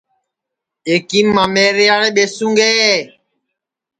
ایکیم مامیریاڑے ٻیسوں گے